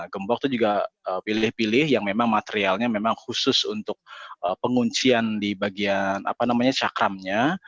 gembok itu juga pilih pilih yang memang materialnya memang khusus untuk penguncian di bagian cakramnya